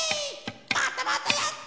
またまたやった！